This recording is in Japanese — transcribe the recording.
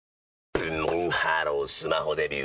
ブンブンハロースマホデビュー！